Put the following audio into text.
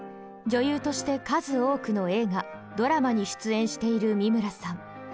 女優として数多くの映画・ドラマに出演している美村さん。